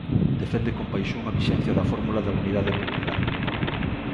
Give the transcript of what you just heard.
Defende con paixón a vixencia da fórmula da unidade popular.